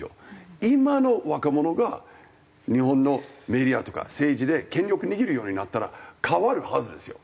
今の若者が日本のメディアとか政治で権力握るようになったら変わるはずですよ。